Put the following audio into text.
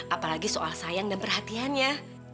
apalagi soal sayang dan perhatiannya